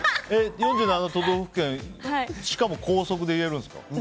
４７都道府県しかも高速で言えるんですか？